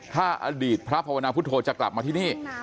ถ้าอดีตพระภาวนาพุทธโธจะกลับมาที่นี่